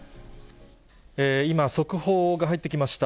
今、速報が入ってきました。